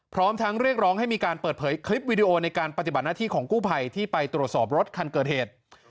พร้อมทั้งเรียกร้องให้มีการเปิดเผยคลิปวิดีโอในการปฏิบัติหน้าที่ของกู้ภัยที่ไปตรวจสอบรถคันเกิดเหตุ